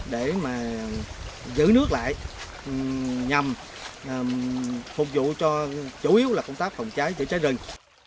để mà giữ nước lại nhằm phục vụ cho chủ yếu là công tác phòng cháy chữa cháy rừng